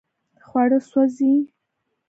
خواړه سوځي